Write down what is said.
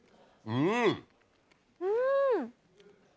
うん！